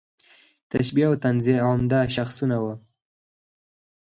تشبیه او تنزیه عمده شاخصونه وو.